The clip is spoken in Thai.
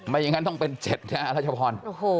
อย่างงั้นต้องเป็น๖นะรัชโพน